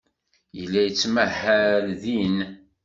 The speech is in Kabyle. Yella yettmahal din.